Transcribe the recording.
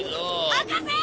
博士！